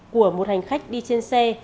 của một hành khách đi trên xe